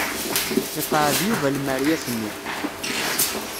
Iqeɛɛed Yuba lemriyat-nni.